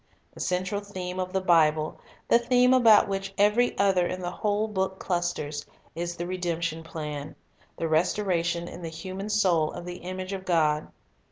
The central theme of the Bible, the theme about which every other in the whole book clusters, is the redemption plan, the restoration in the human soul of the image of God.